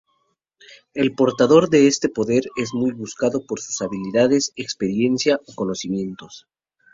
El portador de este poder es muy buscado por sus habilidades, experiencia o conocimientos.